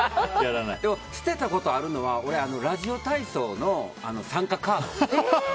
捨てたことあるのはラジオ体操の参加カード。